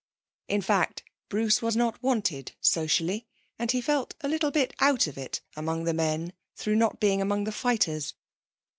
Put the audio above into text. In fact, Bruce was not wanted socially, and he felt a little bit out of it among the men through not being among the fighters.